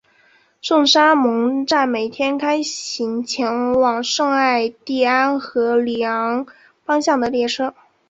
圣沙蒙站每天开行前往圣艾蒂安和里昂方向的列车。